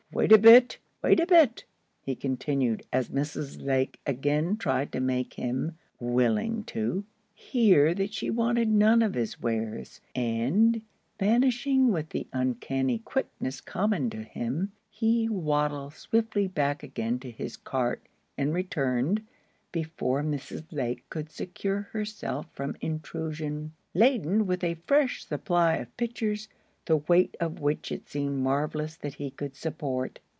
"Wait a bit, wait a bit," he continued, as Mrs. Lake again tried to make him (willing to) hear that she wanted none of his wares; and, vanishing with the uncanny quickness common to him, he waddled swiftly back again to his cart, and returned, before Mrs. Lake could secure herself from intrusion, laden with a fresh supply of pictures, the weight of which it seemed marvellous that he could support.